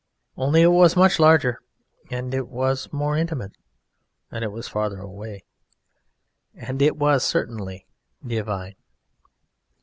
Only it was much larger, and it was more intimate, and it was farther away, and it was certainly divine.